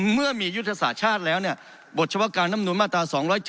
เมื่อมียุทธศาสตร์ชาติแล้วบทเฉพาะการน้ำนุนมาตรา๒๗